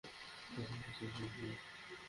খোদার কাছে শুকরিয়া।